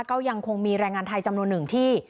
ก็ยังคงมีแรงงานไทยจำนวนหนึ่งที่